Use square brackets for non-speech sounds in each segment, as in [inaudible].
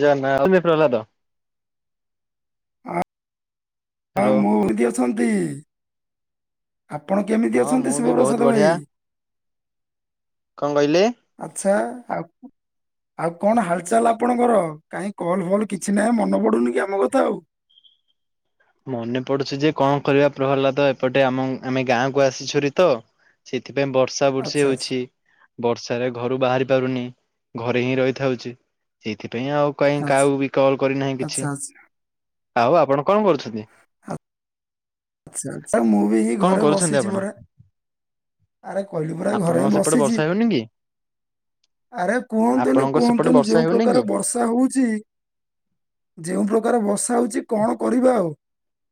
ଏଜନା ହୋଉଛି ପ୍ରହ୍ଲାଦ। [inaudible] ହଁ ହ୍ୟାଲୋ ମୁଁ ଏମିତି ଅଛନ୍ତି ଆପଣ କେମିତି ହଁ ଅଛନ୍ତି ମୁଁ ବି ବହୁତ ଶିବପ୍ରସାଦ ଭାଇ? ବଢିଆ କଣ କହିଲେ? ଆଚ୍ଛା ଆଉ ଆଉ କଣ ହାଲଚାଲ ଆପଣଙ୍କର? କାହିଁ କଲ୍ ଫଲ କିଛି ନାହିଁ ମନ ପଡ଼ୁନିକି ଆମ କଥା ଆଉ। ମନେ ପଡୁଛିଯେ କଣ କରିବା ପ୍ରହ୍ଲାଦ ଏପଟେ ଆମ ଆମେ ଗାଁକୁ ଆସିଚୁ ହାରିତ। ସେଥିପାଇଁ ବର୍ଷା ବର୍ଷି ଆଚ୍ଛା ଆଚ୍ଛା ହଉଛି। ବର୍ଷାରେ ଘରୁ ବାହାରି ପାରୁନି ଘରେହିଁ ରହିଥାଉଛି ସେଇଥିପାଇଁ ଆଉ କାଇଁ ଆଚ୍ଛା କାହାକୁବି କଲ୍ କରିନାହିଁ ଆଚ୍ଛା କିଛି ଆଚ୍ଛା ଆଉ ଆପଣ କଣ କରୁଛ [unintelligible] ଆଚ୍ଛା ଆଚ୍ଛା ମୁଁବି ହିଁ ଘରେ ଆପଣ ବସିଚି ପରା। ଆରେ କହିଲି ପରା ଆପଣଙ୍କ ଘରେଁ ସେପଟେ ବର୍ଷା ବସିଚି। ହେଉନି କି? ଆରେ କୁହନ୍ତୁନି ଆପଣଙ୍କ ସେପଟେ କୁହନ୍ତୁନି ବର୍ଷା ଯୋଉ ହେଉନି କି ପ୍ରକାର ବର୍ଷା ହଉଚି ଯେଉଁ ପ୍ରକାର ବର୍ଷା ହଉଛି କଣ କରିବା ଆଉ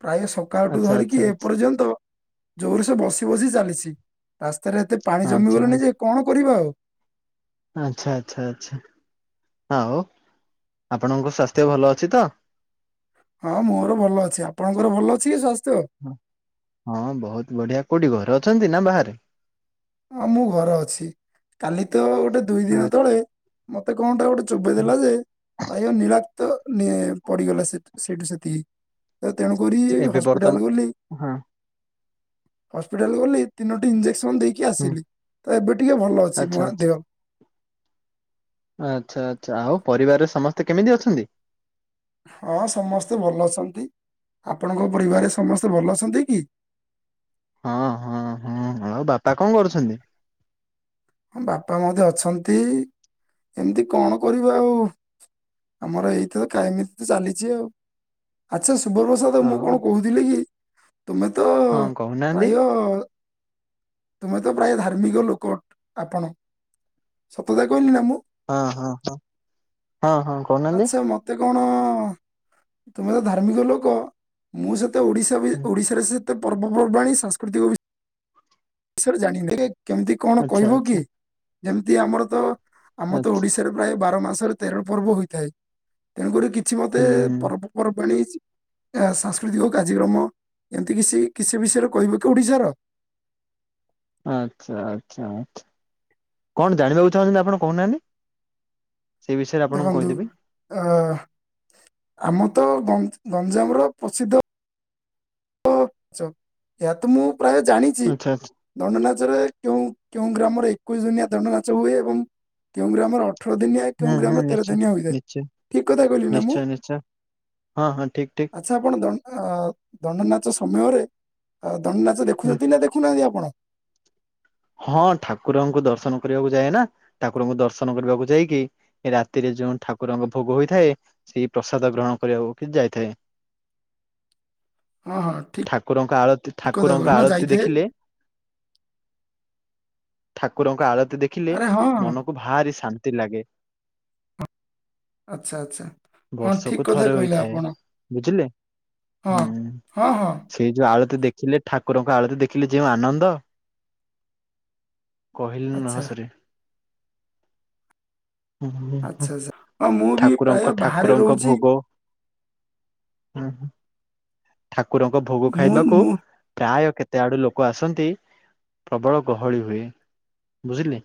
ପ୍ରାୟ ସ ପକାଠୁ ଆଚ୍ଛା ଆଚ୍ଛା ଧରିକି ଆଚ୍ଛା ଏପର୍ଯ୍ୟନ୍ତ ଜୋରସେ ବସି ବସି ଚାଲିଛି ରାସ୍ତାରେ ଏତେ ପାଣି ଆଚ୍ଛା ଜମିଗଲେଣିଯେ କଣ କରିବା ଆଉ‌। ଆଚ୍ଛା ଆଚ୍ଛା ଆଚ୍ଛା ଆଉ ଆପଣଙ୍କ ସ୍ୱାସ୍ଥ୍ୟ ଭଲ ଅଛିତ? ହଁ ମୋର ଭଲ ଅଛି ଆପଣଙ୍କର ଭଲ ଅଛିକି ସ୍ୱାସ୍ଥ୍ୟ? ହଁ ବହୁତ୍ ବଢ଼ିଆ କୋଉଠି ଘରେ ଅଛନ୍ତିନା ବାହାରେ? ହଁ ମୁଁ ଘରେ ଅଛି କାଲିତ ଗୋଟେ ଦୁଇ ଦିନ ଆଚ୍ଛା ତଳେ ମତେ କଣଟେ ଗୋଟେ ଚୋବେଇ ଦେଲାଯେ ପ୍ରାୟ ନିରାକ୍ତ ପଡ଼ିଗଲା ସେ ସେଇଠୁ ସେତିକି। ତ ତେଣୁ କରି ଏବେ ବର୍ତ୍ତମାନ ହସ୍ପିଟାଲ ଗଲି ହଁ ହସ୍ପିଟାଲ ଗଲି ତିନୋଟି ଇଞ୍ଜେକ୍ସନ ଦେଇକି ହୁଁ ଆସିଲି ତ ଏବେ ଟିକେ ଭଲ ଅଛି ଆଚ୍ଛା ମହା ଆଚ୍ଛା ଦେହ। ଆଚ୍ଛା ଆଚ୍ଛା ଆଉ ପରିବାରରେ ସମସ୍ତେ କେମିତି ଅଛନ୍ତି? ହଁ ସମସ୍ତେ ଭଲ ଅଛନ୍ତି ଆପଣଙ୍କ ପରିବାରରେ ସମସ୍ତେ ଭଲ ଅଛନ୍ତିକି? ହଁ ହଁ ହଁ ଆଉ ବାପା କଣ କରୁଛନ୍ତି? ହଁ ବାପା ମଧ୍ୟେ ଅଛନ୍ତି ଏମିତି କଣ କରିବୁ ଆଉ ଆମର ଏଇଥରତ କାହିଏମିତିତ ଚାଲିଚି ଆଉ ଆଚ୍ଛା ଶୁଭପ୍ରସାଦ ମୁଁ ଆଉ କଣ କହୁଥିଲିକି ତୁମେ ତ ହଁ କହୁନାହାନ୍ତି ପ୍ରାୟ ତୁମେ ତ ପ୍ରାୟ ଧାର୍ମିକ ଲୋକ। ଆପଣ ସତ କଥା କହିଲି ନା ମୁଁ? ଆଁ ହଁ ହଁ ହଁ ହଁ। କହୁନାହାନ୍ତି। ଆଚ୍ଛା ମତେ କଣ ତୁମେ ତ ଧାର୍ମିକ ଲୋକ ମୁଁ ସେତେ ଓଡିଶା ବି ହୁଁ, ଓଡିଶାରେ ସେତେ ପର୍ବପର୍ବାଣୀ ସାଂସ୍କୃତିକ ବି ବିଷୟରେ ଜାଣି ନେ [inaudible] କେମତି କଣ ଆଚ୍ଛା କହିବ କି ଆଚ୍ଛା ଯେମତି ଆମର ତ ଆମ ତ ଆଚ୍ଛା ଓଡିଶ୍ ଶାରେ ପ୍ରାୟେ ବାର ମାସରେ ତେର ପର୍ବ ହୋଇଥାଏ ତେଣୁକରି କିଛି ମତେ ହୁଁ ହୁଁ ପର୍ବ ପର୍ବାଣୀ ହେଇଚି ଯାହା ସାଂସ୍କୃତିକ କାର୍ଯ୍ୟକ୍ରମ ଏମତି କିଛି କିସି ବିଷୟରେ କହିବ କି ଓଡିଶାର? ଆଚ୍ଛା ଆଚ୍ଛା ଆଚ୍ଛା କଣ ଜାଣିବାକୁ ଚାହୁଁଚନ୍ତି ଆପଣ କୋହୁନାହାନ୍ତି। ଦେଖନ୍ତୁ ଆ ଆମ ତ ଗଞ୍ଜା ଗଞ୍ଜାମର ପ୍ରସିଦ୍ଧ ଧ ଚ ଏହା ତ ମୁଁ ପ୍ରାୟ ଜାଣିଚି। ଆଚ୍ଛା ଆଚ୍ଛା ଦଣ୍ଡ ନାଚରେ କେଉଁ କେଉଁ ଗ୍ରାମରେ ଏକୋଇଶ ଦିନିଆ ଦଣ୍ଡ ନାଚ ହୁଏ ଏବଂ କେଉଁ ଗ୍ରାମରେ ଅ ଅଠର ଦିନିଆ ହୁଁ କେଉଁ ହୁଁ ଗ୍ରାମରେ ତେର ନିଶ୍ଚୟ। ଦିନିଆ ହୋଇଥାଏ ନିଶ୍ଚୟ ଠିକ କଥା କହିଲି ନା ମୁଁ? ନିଶ୍ଚୟ ନିଶ୍ଚୟ ହଁ ହଁ ଠିକ ଠିକ। ଆଚ୍ଛା ଆପଣ ଦ ଅ ଦଣ୍ଡନାଚ ସମୟରେ ଅ ଦଣ୍ଡନାଚ ହୁଁ ଦେଖୁଚନ୍ତି ନା ଦେଖୁନାହାନ୍ତି ଆପଣ? ହଁ ଠାକୁରଙ୍କୁ ଦର୍ଶନ କରିବାକୁ ଯାଏ ନା ଠାକୁରଙ୍କୁ ଦର୍ଶନ କରିବାକୁ ଯାଇକି ଏ ରାତିରେ ଯୋଉଁ ଠାକୁରଙ୍କ ଭୋଗ ହୋଇଥାଏ ସେଇ ପ୍ରସାଦ ଗ୍ରହଣ କରିବାକୁ କି ଯାଇଥାଏ। ହଁ ହଁ ଠିକ୍ ଠାକୁରଙ୍କ ଆଳତି କ୍ କଥା ଠାକୁରଙ୍କ କହି ନା ଆଳତି ଯାଇଥାଏ। ଦେଖିଲେ ଠାକୁରଙ୍କ ଆଳତି ଦେଖିଲେ ଆରେ ହଁ ହଁ ମନକୁ ଭାରି ଶାନ୍ତି ଲାଗେ। ଆଚ୍ଛା ଆଚ୍ଛା ହଁ ଠିକ ବର୍ଷକୁ କଥା ଥରେ କହିଲେ ହୋଇଥାଏ ଆପଣ। ବୁଝିଲେ ହଁ ହୁଁ। ହଁ ହଁ। ସେଇ ଯୋଉ ଆଳତି ଦେଖିଲେ ଠାକୁରଙ୍କ ଆଳତି ଦେଖିଲେ ଯେଉଁ ଆନନ୍ଦ କହିଲେ ନହ ଆଚ୍ଛା ସରେ। ଓ ହୋ ହୋ ହୋ ଆଚ୍ଛା ଆଚ୍ଛା ହଁ ମୁଁ ବି ପ୍ରାୟ ଠାକୁରଙ୍କ ବାହାରେ ଠାକୁରଙ୍କ ରହୁଛି ଭୋଗ ହୁଁ ହୁଁ ଠାକୁରଙ୍କ ଭୋଗ ମୁଁ ଖାଇବାକୁ ମୁଁ ପ୍ରାୟ କେ ତେ ଆଡୁ ଲୋକ ଆସନ୍ତି ପ୍ରବଳ ଗହଳି ହୁଏ ବୁଝିଲେ।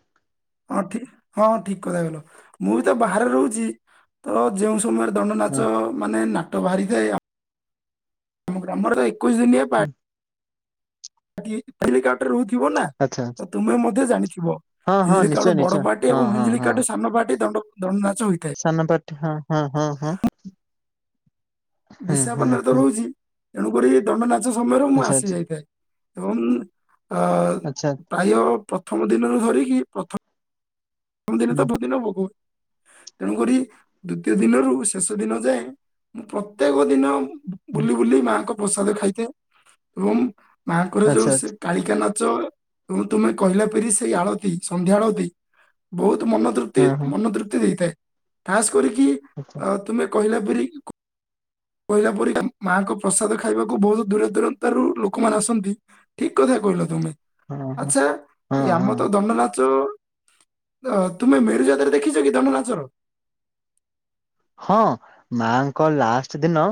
ହଁ ଠି ହଁ ଆ ଠିକ କଥା କହିଲ ମୁଁ ବି ତ ବାହାରେ ରହୁଚି ତ ଯେଉଁ ସମୟରେ ହଁ ଦଣ୍ଡନାଚ ମାନେ ନାଟ ବାହାରିଯାଏ ଆ-ମ ଗ୍ରାମରେ ତ ଏକୋଇଶି ଦିନିଆ ପା ହୁଁ ଟି ହେଇ ହେଲିକାପ୍ଟର ରହୁଥିବ ନା। ଆଛା ଆଛା। ତ ତୁମେ ମଧ୍ୟ ଜାଣିଥିବ ହିଞ୍ଜିଳିକା ଗୋଟେ ବଡ ନିଶ୍ଚୟ ପାର୍ଟି ହଁ ଏବଂ ହଁ ହଁ। ହିଞ୍ଜିଳିକାଠୁ ସାନ ପାାର୍ଟି ଦଣ୍ଡ ଦଣ୍ଡନାଚ ହୋଇଥାଏ। ସାନ ପାର୍ଟି ହଁ ହଁ ହଁ ହଁ। ହୁଁ ହୁଁ ବିଶାଖାପାଟନାରେ ତ ହୁଁ ରହୁଚି। ତେଣୁକରି ଦଣ୍ଡନାଚ ସମୟରେ ମୁଁ ଆଚ୍ଛା ଆସି ଆଚ୍ଛା ଯାଇଥାଏ ଏବଂ ଆ ଆଚ୍ଛା ପ୍ରାୟ ପ୍ରଥମ ଦିନରୁ ଧରିକି ପ୍ରଥ-ଥମ ଦିନ ହୁଁ ତ ବୋହୁତ ଦିନ ଭୋଗ ତେଣୁକରି ଦୁତୀୟ ଦିନରୁ ଶେଷ ଦିନ ଯାଏ ମୁଁ ପ୍ରତ୍ୟେକ ଦିନ ହୁଁ ବୁଲି ବୁଲି ମାଆଙ୍କ ପ୍ରସାଦ ଖାଇଥାଏ ଏବଂ ମାଆଙ୍କର ଯୋଉ ଆଚ୍ଛା ସେ ଆଚ୍ଛା କାଳିକା ନାଚ ଏବଂ ତୁମେ କହିଲା ପରି ସେଇ ଆଳତି ସନ୍ଧ୍ୟା ଆଳତି ବୋହୁତ ମନ ତୃପ୍ତି ହଁ ହଁ ମନ ତୃପ୍ତି ହେଇଥାଏ ଖାସ୍ କରିକି ଆଚ୍ଛା ଆଁ ତୁମେ କହିଲା ପରି କ୍ କହିଲା ପରିକା ମାଆଙ୍କ ପ୍ରସାଦ ଖାଇବାକୁ ବୋହୁତ ଦୂର ଦୂରାନ୍ତରୁ ଲୋକମାନେ ଆସନ୍ତି। ଠିକ କଥା କହିଲ ତୁମେ ହଁ ହଁ ଆଛା ହଁ ଏଇ ଆମର ହଁ ତ ଦଣ୍ଡନାଚ ଅ ତୁମେ ମେରୁଯାତରେ ଦେଖିଚ କି ଦଣ୍ଡନାଚ? ହଁ ମାଆଙ୍କ ଲାଷ୍ଟ ଦିନ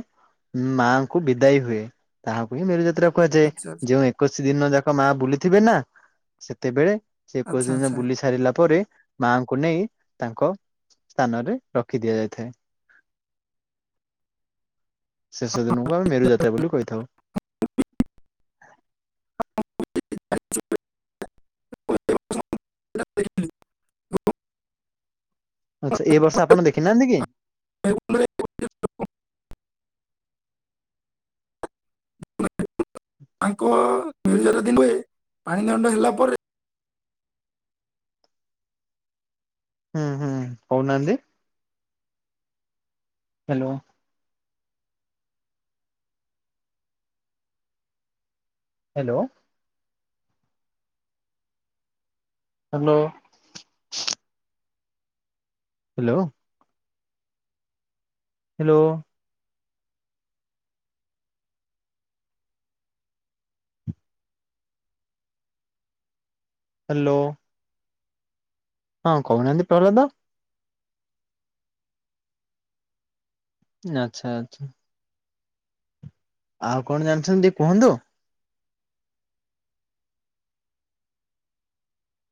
ମାଆଙ୍କୁ ବିଦାୟୀ ହୁଏ ତାହାଙ୍କୁ ହିଁ ମେରୁଜାତ୍ରା କୁହାଯାଏ ଆଚ୍ଛା ଯେଉଁ ଏ ଏକୋଇଶି ଦିନ ଯାକ ମାଆ ବୁଲିଥିବେ ନା ସେତେବେଳେ ସେଇ ଏକୋଇଶି ଆଚ୍ଛା ଦିନ ଆଚ୍ଛା ବୁଲି ସାରିଲା ପରେ ମାଆଙ୍କୁ ନେଇ ତାଙ୍କ ସ୍ଥାନରେ ରଖି ଦିଆଯାଇଥାଏ। ଶେଷ ଦିନୁକୁ ଆମେ ମେରୁଯାତ୍ରା ବୋଲି କହିଥାଉ। [unintelligible] [unintelligible] ଆଛା ଏ ବର୍ଷ ଆପଣ ଦେଖିନାହାନ୍ତି କି? [unintelligible] ତାଙ୍କ ନିର୍ଜର ଦିନେ ପାଣି ଦଣ୍ଡ ହେଲା ପରେ ହୁଁ ହୁଁ କହୁନାହାନ୍ତି। Hello. Hello. Hello. Hello. Hello. Hello. ହଁ କହୁନାହାନ୍ତି ପ୍ରହ୍ଲାଦ। ଆଚ୍ଛା ଆଚ୍ଛା। ଆଉ କଣ ଜାଣିଛନ୍ତି ଟିକେ କୁହନ୍ତୁ?